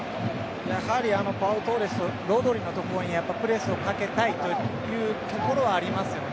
やはりパウ・トーレスロドリの所にプレスをかけたいというところはありますよね。